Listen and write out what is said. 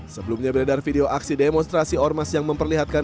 sebelumnya beredar video aksi demonstrasi ormas yang memperlihatkan